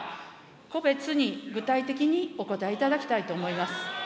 個別に具体的にお答えいただきたいと思います。